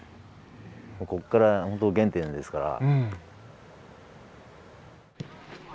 ここから本当原点ですから。